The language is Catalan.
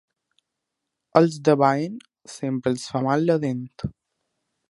Als de Baén, sempre els fa mal la dent.